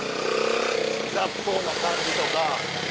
雑踏な感じとか。